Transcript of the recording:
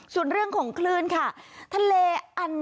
ส่วนเรื่องของคลื่นค่ะทะเลอัน